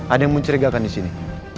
ada yang mencurigakan di sini